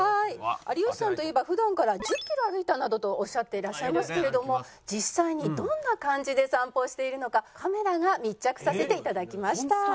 有吉さんといえば普段から「１０キロ歩いた」などとおっしゃっていらっしゃいますけれども実際にどんな感じで散歩をしているのかカメラが密着させて頂きました。